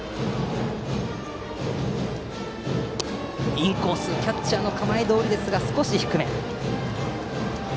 インコースキャッチャーの構えどおりですが少し低めでした。